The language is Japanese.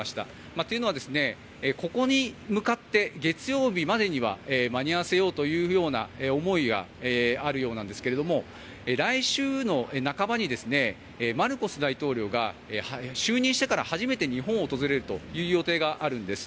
というのは、ここに向かって月曜日までには間に合わせようという思いがあるようなんですが来週半ばにマルコス大統領が就任してから初めて日本を訪れるという予定があるんです。